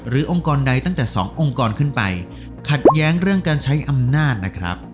องค์กรใดตั้งแต่สององค์กรขึ้นไปขัดแย้งเรื่องการใช้อำนาจนะครับ